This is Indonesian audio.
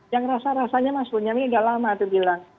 yang rasa rasanya mbak sunyami sudah lama itu bilang